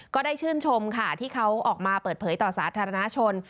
ก็ได้ชื่นชมค่ะที่เขาออกมาเปิดเผยต่อสาธารณชน